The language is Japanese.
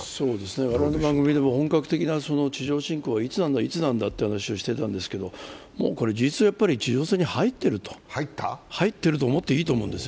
我々の番組でも本格的な地上侵攻はいつなんだという話をしていましたけどもう事実上、地上戦に入っていると思っていいと思うんです。